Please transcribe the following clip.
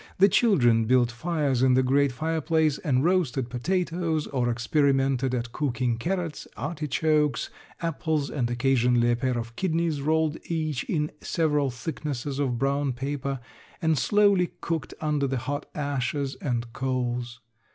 The children built fires in the great fireplace and roasted potatoes or experimented at cooking carrots, artichokes, apples and occasionally a pair of kidneys rolled each in several thicknesses of brown paper and slowly cooked under the hot ashes and coals.